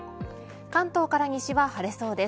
関東から西は晴れそうです。